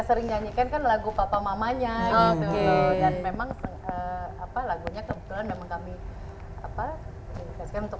sering nyanyikan kan lagu papa mamanya gitu dan memang apa lagunya kebetulan memang kami apa yang dikasihkan untuk